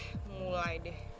eh mulai deh